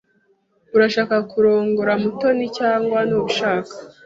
Urashaka kurongora Mutoni cyangwa ntubishaka?